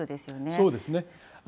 そうですね。